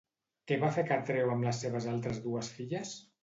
Què va fer Catreu amb les seves altres dues filles?